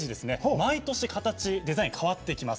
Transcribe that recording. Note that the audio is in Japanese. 毎年、デザイン変わってきます。